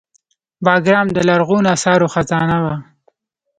بګرام د لرغونو اثارو خزانه وه